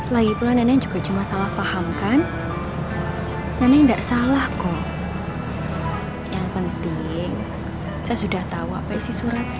lagi pulang juga cuma salah paham kan nanda enggak salah kok yang penting saya sudah tahu apa isi suratnya